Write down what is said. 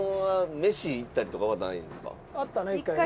あったね一回ね。